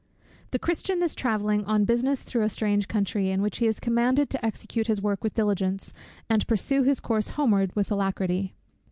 The Christian is travelling on business through a strange country, in which he is commanded to execute his work with diligence, and pursue his course homeward with alacrity.